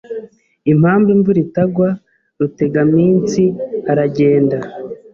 impamvu imvura itagwa Rutegaminsi aragenda